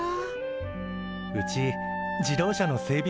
うち自動車の整備